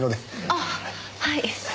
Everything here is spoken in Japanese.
あっはい。